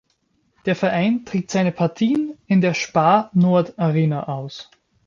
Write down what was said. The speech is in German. Der Verein trägt seine Partien in der Spar Nord Arena aus.